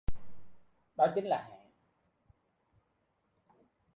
đó chính là Hạ